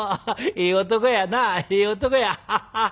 ええ男やなええ男や。ハハッ」。